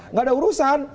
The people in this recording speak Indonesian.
enggak ada urusan